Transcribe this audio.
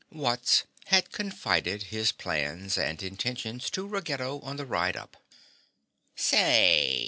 Wutz had confided his plans and intentions to Ruggedo on the ride up. "Say!"